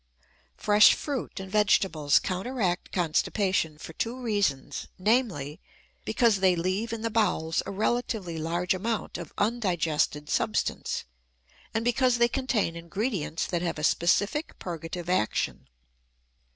Fresh fruit and vegetables counteract constipation for two reasons, namely, because they leave in the bowels a relatively large amount of undigested substance, and because they contain ingredients that have a specific purgative action.